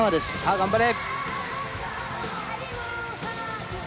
頑張れ。